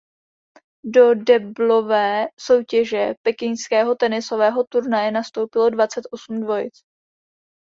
Do deblové soutěže pekingského tenisového turnaje nastoupilo dvacet osm dvojic.